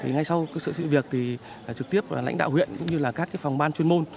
ngay sau sự sự việc thì trực tiếp lãnh đạo huyện cũng như các phòng ban chuyên môn